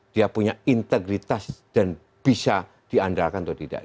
dia punya integritas dan bisa diandalkan atau tidak